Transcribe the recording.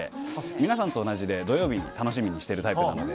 皆さんと同じで土曜日を楽しみにしているタイプなので。